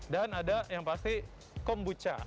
dan ada yang pasti kombucha